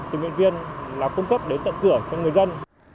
tình nguyện viên là cung cấp đến tận cửa cho người dân